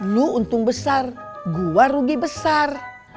lu untung besar gua rugi besar